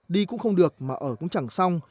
đi cũng không được mà ở cũng chẳng xong